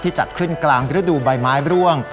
จัดขึ้นกลางฤดูใบไม้ร่วง